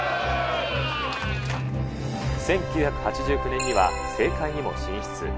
１９８９年には、政界にも進出。